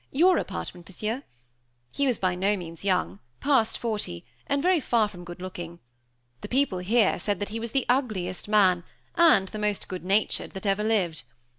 Your apartment, Monsieur. He was by no means young past forty and very far from good looking. The people here said that he was the ugliest man, and the most good natured, that ever lived.